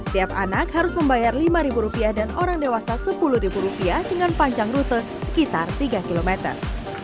tiap anak harus membayar lima rupiah dan orang dewasa sepuluh rupiah dengan panjang rute sekitar tiga kilometer